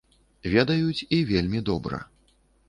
Ведаюць, і вельмі добра.